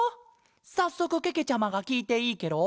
さっそくけけちゃまがきいていいケロ？